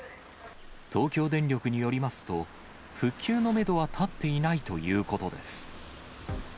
東京電力によりますと、復旧のメドは立っていないということです。